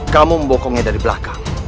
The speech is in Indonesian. kamu membokongnya dari belakang